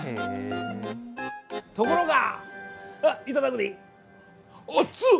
ところが。